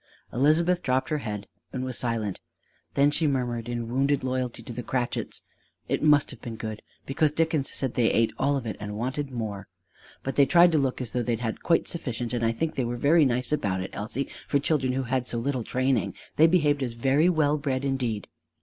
Elizabeth dropped her head and was silent; then she murmured, in wounded loyalty to the Cratchits: "It must have been good! Because Dickens said they ate all of it and wanted more. But they tried to look as though they'd had quite sufficient; and I think they were very nice about it, Elsie, for children who had had so little training. They behaved as very well bred, indeed."